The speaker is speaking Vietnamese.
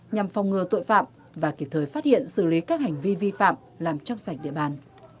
nhằm phòng ngừa tội phạm và kịp thời phát hiện xử lý các hành vi vi phạm làm trong sạch địa bàn